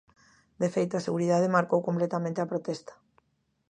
De feito, a seguridade marcou completamente a protesta.